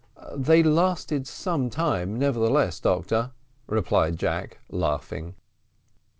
"They lasted some time nevertheless, doctor," replied Jack, laughing.